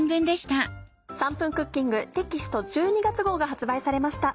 『３分クッキング』テキスト１２月号が発売されました。